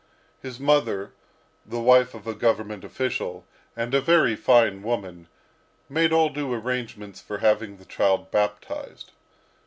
His mother, the wife of a Government official, and a very fine woman, made all due arrangements for having the child baptised.